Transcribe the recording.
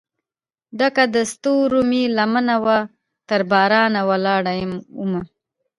ډکه دستورومې لمن وه ترباران ولاړ مه